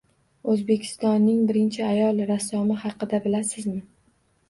O‘zbekistonning birinchi ayol rassomi haqida bilasizmi?